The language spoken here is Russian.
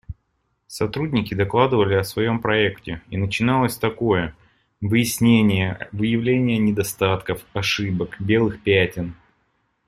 Сотрудники докладывали о своем проекте, и начиналось такое: выяснения, выявление недостатков, ошибок, белых пятен.